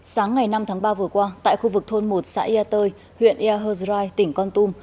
sáng ngày năm tháng ba vừa qua tại khu vực thôn một xã yà tơi huyện yà hơ rai tỉnh con tum